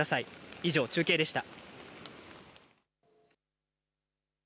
以上、中継でした。